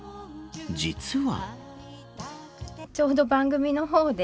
実は。